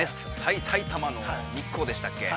◆埼玉の日光でしたっけ？